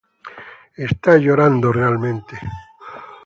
Está llorando realmente.